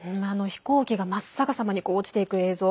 飛行機が真っ逆さまに落ちていく映像